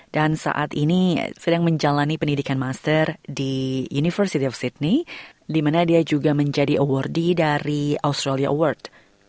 dan saat ini sedang menjalani pendidikan master di university of sydney di mana dia juga menjadi awardee dari australia award